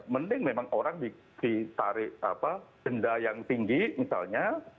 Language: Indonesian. mending memang orang ditarik denda yang tinggi misalnya